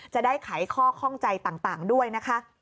ไขข้อข้องใจต่างด้วยนะคะ